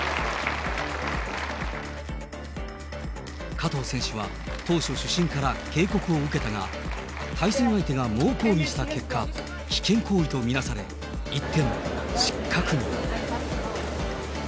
加藤選手は当初、主審から警告を受けたが、対戦相手が猛抗議した結果、危険行為と見なされ、一転、失格に。